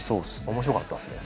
面白かったですね。